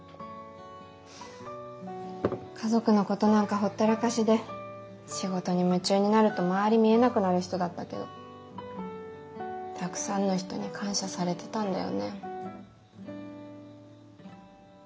家族のことなんかほったらかしで仕事に夢中になると周り見えなくなる人だったけどたくさんの人に感謝されてたんだよね。